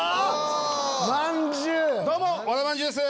どうも和田まんじゅうです！